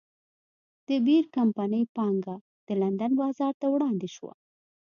د بیر کمپنۍ پانګه د لندن بازار ته وړاندې شوه.